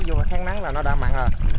dù là tháng nắng là nó đã mặn rồi